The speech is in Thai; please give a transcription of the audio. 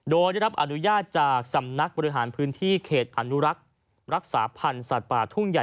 โดยได้รับอนุญาตจากสำนักบริหารพื้นที่เขตอนุรักษ์รักษาพันธ์สัตว์ป่าทุ่งใหญ่